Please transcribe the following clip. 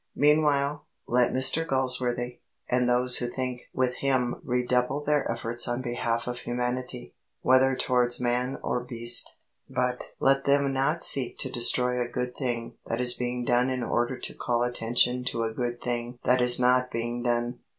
Meanwhile, let Mr Galsworthy and those who think with him redouble their efforts on behalf of humanity, whether towards man or beast. But let them not seek to destroy a good thing that is being done in order to call attention to a good thing that is not being done.